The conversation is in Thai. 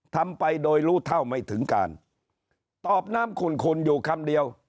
ทำไปโดยรู้เท่าไม่ถึงการตอบน้ำขุ่นอยู่คำเดียว